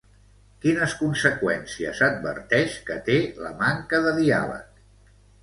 Quines conseqüències adverteix que té la manca de diàleg?